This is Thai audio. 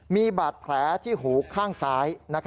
มีบาดแผลที่หูข้างซ้าย